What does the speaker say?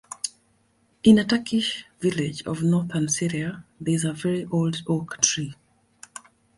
In a Turkish village of Northern Syria there is a very old oak-tree.